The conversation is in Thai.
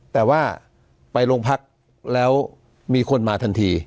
แต่ว่าไปโรงพักแล้วมีคนมาทันที